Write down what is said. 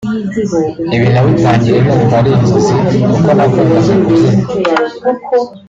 Ibi nabitangiye numva ari inzozi kuko nakundaga kubyina